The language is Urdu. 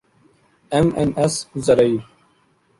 ایم این ایس زرعی